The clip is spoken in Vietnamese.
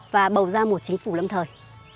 và bầu ra một chính phủ lâm thời